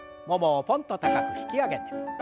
ももをぽんと高く引き上げて。